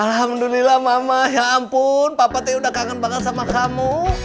alhamdulillah mama ya ampun papa udah kangen banget sama kamu